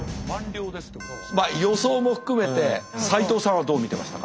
予想も含めて斎藤さんはどう見てましたか？